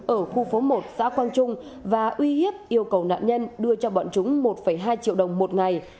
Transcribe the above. ở khu phố một xã quang trung và uy hiếp yêu cầu nạn nhân đưa cho bọn chúng một hai triệu đồng một ngày